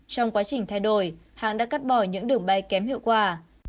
trong quá trình thay đổi hãng đã cắt bỏ những đường bay kém hiệu quả